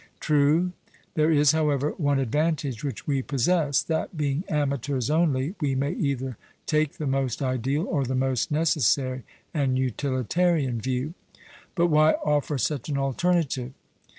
'True.' There is, however, one advantage which we possess that being amateurs only, we may either take the most ideal, or the most necessary and utilitarian view. 'But why offer such an alternative?